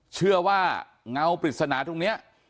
เชื่อว่าเงาปริศนาตรงนี้